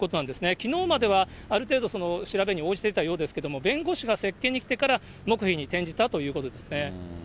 きのうまではある程度、調べに応じていたようですけれども、弁護士が接見に来てから黙秘に転じたということですね。